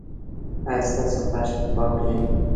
ایا ستاسو فرش به پاک نه وي؟